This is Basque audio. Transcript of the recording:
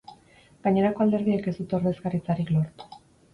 Gainerako alderdiek ez dute ordezkaritzarik lortu.